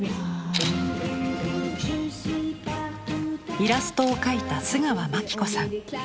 イラストを描いた須川まきこさん。